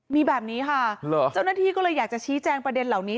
มีแบบนี้ค่ะเจ้าหน้าที่ก็เลยอยากจะชี้แจงประเด็นเหล่านี้